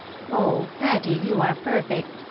" Oh ! Patty, you are perfect